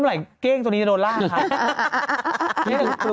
แล้วเก้งตัวนี้จะโดนร่าใคร